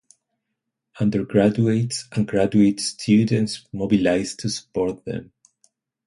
Undergraduates and graduate students mobilized to support them.